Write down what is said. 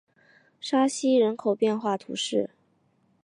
沙西人口变化图示